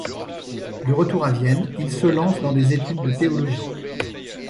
De retour à Vienne, il se lance dans des études de théologie.